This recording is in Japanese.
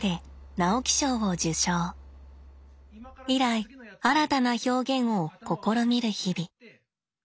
以来新たな表現を試みる日々。